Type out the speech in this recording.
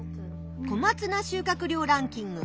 「小松菜収穫量ランキング」